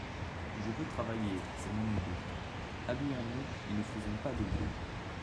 Je veux travailler, c'est mon idée … Habillons-nous et ne faisons pas de bruit.